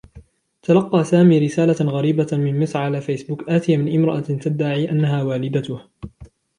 تلقى سامي رسالة غريبة من مصر على فيسبوك آتية من امرأة تدعي أنها والدته.